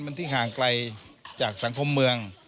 มันที่ห่างไกลจากสังคมเมือง